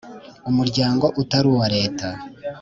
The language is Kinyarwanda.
umuryango utari uwa Leta